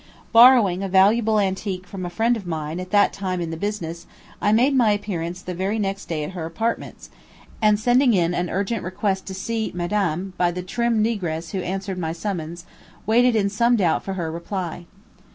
Borrowing a valuable antique from a friend of mine at that time in the business, I made my appearance the very next day at her apartments, and sending in an urgent request to see Madame, by the trim negress who answered my summons, waited in some doubt for her reply.